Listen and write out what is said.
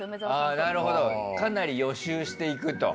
なるほどかなり予習していくと。